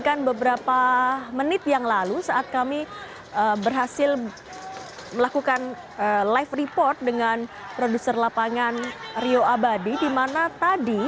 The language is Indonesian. karena jika tidak pihak kepolisian akan melakukan pengamanan atau penangkapan kepada masa yang tidak mau membubarkan diri